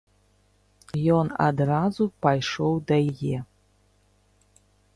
Ён адразу пайшоў да яе.